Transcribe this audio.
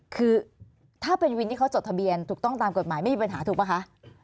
คือถ้าเป็นวินที่เขาจดทะเบียนถูกต้องตามกฎหมายไม่มีปัญหาถูกป่ะคะ